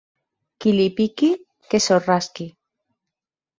Qui li piqui, que s'ho rasqui.